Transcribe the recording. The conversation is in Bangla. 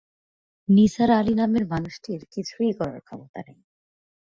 নিসার আলি নামের মানুষটির কিছুই করার ক্ষমতা নেই।